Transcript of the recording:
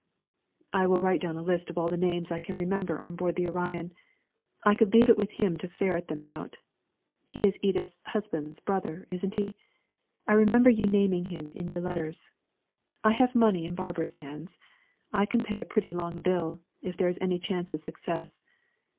"I will write down a list of all the names I can remember on board the Orion. I could leave it with him to ferret them out. He is Edith's husband's brother, isn't he? I remember your naming him in your letters. I have money in Barbour's hands. I can pay a pretty long bill, if there's any chance of success.